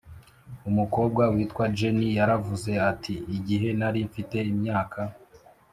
Umukobwa witwa Jenny yaravuze ati igihe nari mfite imyaka